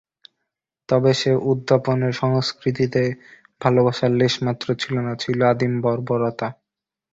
তবে সে উদ্যাপনের সংস্কৃতিতে ভালোবাসার লেশমাত্র ছিল না, ছিল আদিম বর্বরতা।